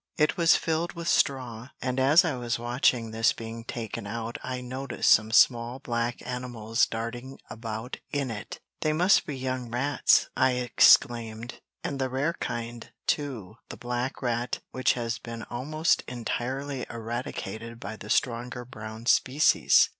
It was filled with straw, and as I was watching this being taken out I noticed some small black animals darting about in it. "They must be young rats," I exclaimed, "and the rare kind, too the black rat, which has been almost entirely eradicated by the stronger brown species."